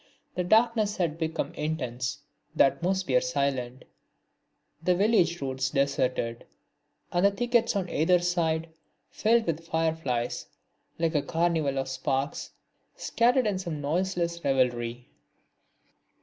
The darkness had become intense, the atmosphere silent, the village roads deserted, and the thickets on either side filled with fireflies like a carnival of sparks scattered in some noiseless revelry.